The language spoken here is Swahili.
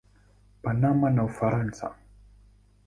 Panama na Ufaransa.